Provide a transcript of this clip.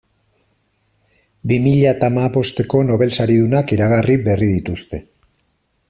Bi mila eta hamabosteko Nobel saridunak iragarri berri dituzte.